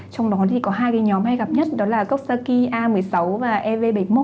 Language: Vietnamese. trong đó có hai nhóm hay gặp nhất đó là coxsackie a một mươi sáu và ev bảy mươi một